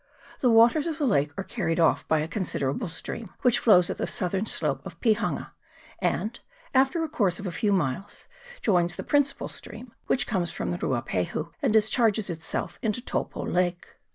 The waters of the lake are carried off by a considerable stream which flows at the southern slope of Pihanga, and, after a course of a few miles, joins the principal stream, which comes from the Ruapahu, and discharges itself into Taupo lake.